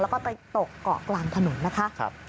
แล้วก็ไปตกเกาะกลางถนนนะคะ